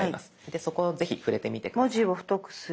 でそこをぜひ触れてみて下さい。